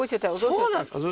そうなんですか